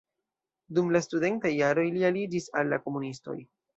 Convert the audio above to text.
Dum la studentaj jaroj li aliĝis al la komunistoj.